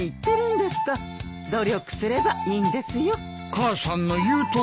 母さんの言うとおりだ。